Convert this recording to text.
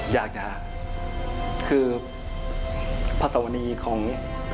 ยากจะคาดคือภาษาวนีของ